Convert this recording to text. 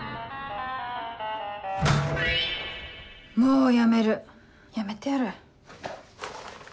もう辞める！辞めてやる。